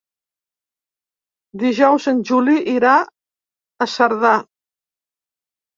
Dijous en Juli irà a Cerdà.